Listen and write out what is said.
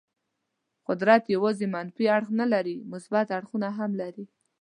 قدرت یوازې منفي اړخ نه لري، مثبت اړخونه هم لري.